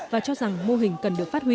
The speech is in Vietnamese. và cho rằng mô hình cần được phát huy